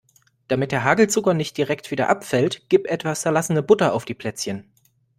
Damit der Hagelzucker nicht direkt wieder abfällt, gib etwas zerlassene Butter auf die Plätzchen.